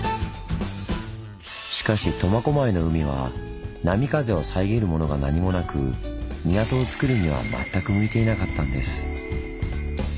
しかし苫小牧の海は波風を遮るものが何もなく港をつくるには全く向いていなかったんです。